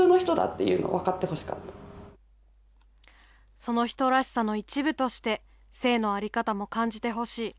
その人らしさの一部として、性の在り方も感じてほしい。